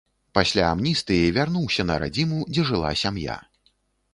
Пасля амністыі вярнуўся на радзіму, дзе жыла сям'я.